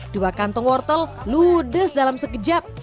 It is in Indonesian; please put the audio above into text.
dua kantong wortel ludes dalam sekejap